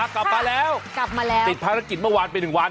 กลับมาแล้วกลับมาแล้วติดภารกิจเมื่อวานไปหนึ่งวัน